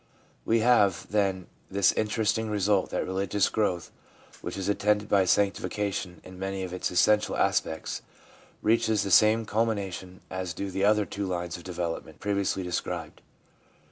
We have, then, this interesting result, that religious growth which is attended by sanctification in many of its essential aspects reaches the same culmination as do the other two lines of development previously described.